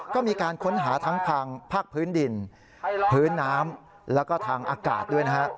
ก็มีการค้นหาทั้งทางภาคพื้นดินพื้นน้ำแล้วก็ทางอากาศด้วยนะฮะ